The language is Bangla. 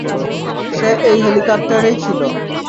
সে এই হেলিকপ্টারেই ছিল।